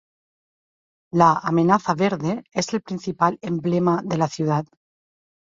La "Amenaza Verde" es el principal emblema de la ciudad.